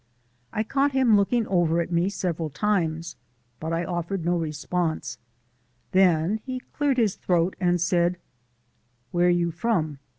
I caught him looking over at me several times, but I offered no response; then he cleared his throat and said: "Where you from?"